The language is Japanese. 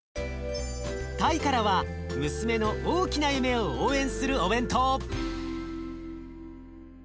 タイからは娘の大きな夢を応援するお弁当。